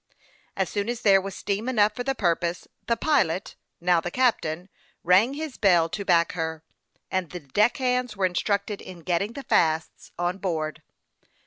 As soon as there was steam enough for the purpose, the pilot, now the captain, rang his bell to back her, and the deck hands were instructed in getting the fasts on board.